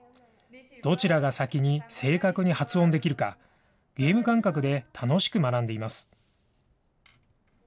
どちらが先に正確に発音できるか、ゲーム感覚で楽しく学んでいます。